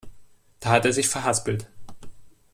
Da hat er sich verhaspelt.